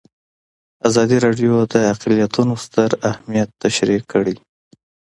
ازادي راډیو د اقلیتونه ستر اهميت تشریح کړی.